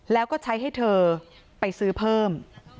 แล้วก็ใช้ให้เธอไปซื้อเพิ่ม